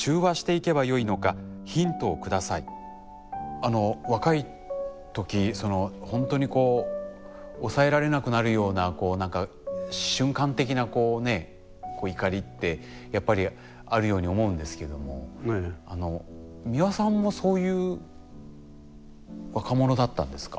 あの若い時そのほんとにこう抑えられなくなるようなこう何か瞬間的なこうねこう怒りってやっぱりあるように思うんですけども美輪さんもそういう若者だったんですか？